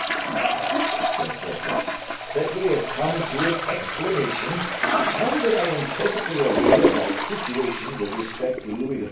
"Now," said Porthos, "that we have come to an explanation, now that I am perfectly aware of our situation with respect to Louis XIV.